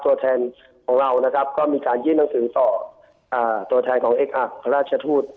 ตัวแทนของเรานะครับก็มีการยื่นหนังสือต่อตัวแทนของเอกอัครราชทูต